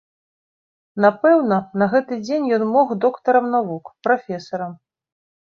Напэўна, на гэты дзень ён мог доктарам навук, прафесарам.